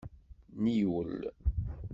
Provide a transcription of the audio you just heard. Niwel.